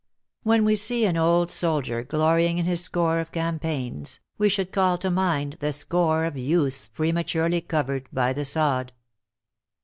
When we see an old soldier glorying in his score of campaigns, we should call to mind the score of youths prematurely covered by the sod."